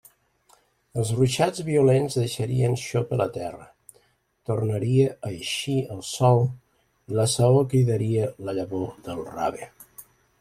Els ruixats violents deixarien xopa la terra, tornaria a eixir el sol i la saó cridaria la llavor del rave.